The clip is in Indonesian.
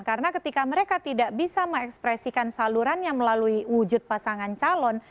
karena ketika mereka tidak bisa mengekspresikan saluran yang melalui wujud pasangan calon